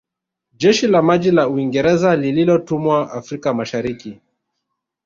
Jeshi la maji la Uingereza lililotumwa Afrika Mashariki